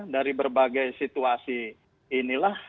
dari berbagai situasi inilah